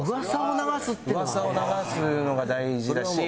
噂を流すのが大事だし。